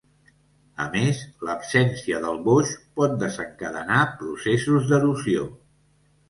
A més, l'absència del boix pot desencadenar processos d'erosió.